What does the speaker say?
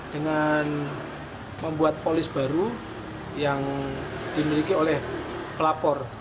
dengan membuat polis baru yang dimiliki oleh pelapor